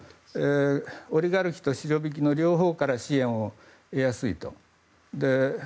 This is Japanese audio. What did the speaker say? オリガルヒとシロヴィキの両方から支援を得やすいと。